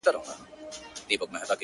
ماسومان بيا هم پوښتني کوي تل،